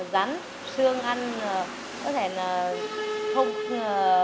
rắn xương ăn có thể là không